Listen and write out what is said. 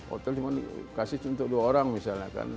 hotel dimana kasih untuk dua orang misalnya